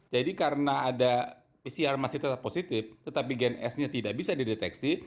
jadi karena ada pcr masih tetap positif tetapi gen s nya tidak bisa dideteksi